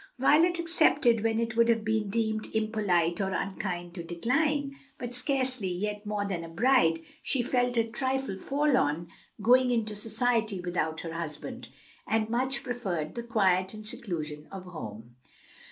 Violet accepted when it would have been deemed impolite or unkind to decline, but scarcely yet more than a bride, she felt a trifle forlorn going into society without her husband, and much preferred the quiet and seclusion of home.